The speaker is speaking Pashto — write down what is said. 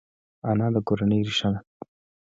انا د کورنۍ ریښه ده